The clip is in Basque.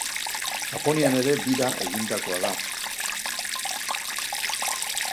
Japonian ere bira egindakoa da.